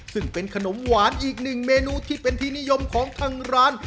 ซึ่งเป็นขนมหวานอีกหนึ่งเมนูที่เป็นที่นิยมของทางร้าน